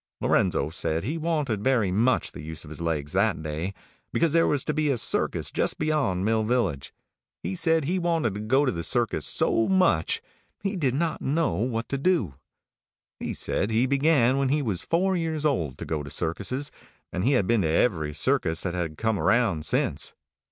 Lorenzo said he wanted very much the use of his legs that day, because there was to be a circus just beyond Mill Village. He said he wanted to go to the circus so much he did not know what to do. He said he began when he was four years old to go to circuses, and he had been to every circus that had come around since.